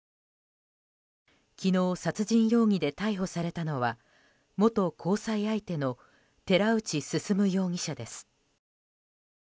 昨日、殺人容疑で逮捕されたのは元交際相手の寺内進容疑者です。